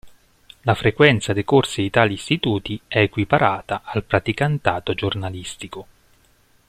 La frequenza dei corsi di tali istituti è equiparata al praticantato giornalistico.